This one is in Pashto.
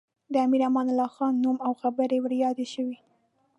د امیر امان الله خان نوم او خبرې ور یادې شوې.